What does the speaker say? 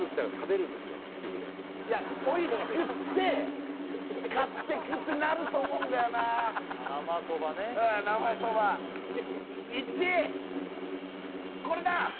いやおいしくって買ってくってなると思うんだよななまそばねうんなまそば１位これだ！